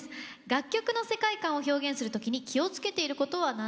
「楽曲の世界観を表現する時に気を付けていることは何ですか？」。